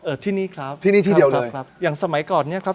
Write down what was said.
ที่นี่ครับที่นี่ที่เดียวครับครับอย่างสมัยก่อนเนี้ยครับ